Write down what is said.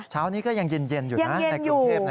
เช้านี้ก็ยังเย็นอยู่นะในกรุงเทพฯนะครับยังเย็นอยู่